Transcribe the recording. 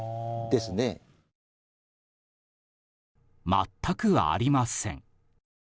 全くありません。